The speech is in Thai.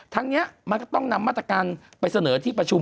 ทั้งนี้มันก็ต้องนำมาตรการไปเสนอที่ประชุม